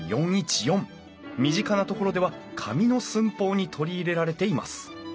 身近なところでは紙の寸法に取り入れられています。